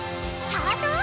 ハートを！